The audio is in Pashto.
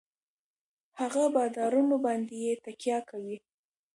هـغـه بـادارنـو بـانـدې يـې تکيـه کـوي.